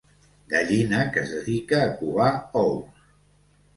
Gallina que es dedica a covar ous.